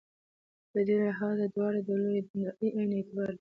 په دې لحاظ د دواړو ډلو دینداري عین اعتبار لري.